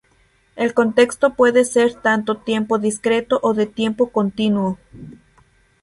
El contexto puede ser tanto tiempo discreto o de tiempo continuo.